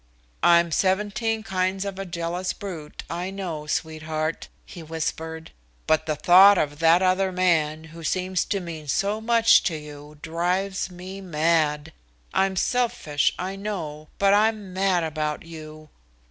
"I'm seventeen kinds of a jealous brute, I know, sweetheart," he whispered, "but the thought of that other man, who seems to mean so much to you, drives me mad. I'm selfish, I know, but I'm mad about you."